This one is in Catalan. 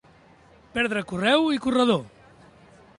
Perdre correu i corredor.